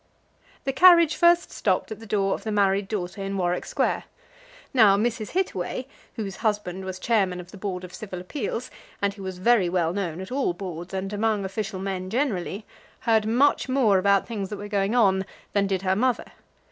The carriage first stopped at the door of the married daughter in Warwick Square. Now, Mrs. Hittaway, whose husband was chairman of the Board of Civil Appeals and who was very well known at all Boards and among official men generally, heard much more about things that were going on than did her mother.